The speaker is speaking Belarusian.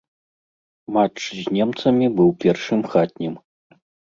Матч з немцамі быў першым хатнім.